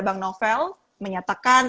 bang novel menyatakan